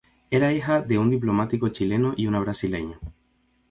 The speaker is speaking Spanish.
Era hija de un diplomático chileno y una brasileña.